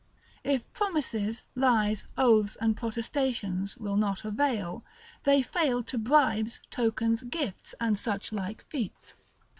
If promises, lies, oaths, and protestations will not avail, they fall to bribes, tokens, gifts, and such like feats.